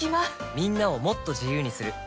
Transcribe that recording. みんなをもっと自由にする「三菱冷蔵庫」